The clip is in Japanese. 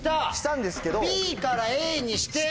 ＢからＡにして。